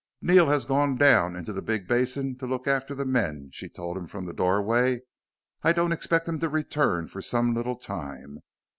"Neil has gone down into the big basin to look after the men," she told him from the doorway. "I don't expect him to return for some little time.